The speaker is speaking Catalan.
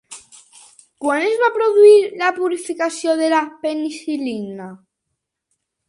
Quan es va produir la purificació de la penicil·lina?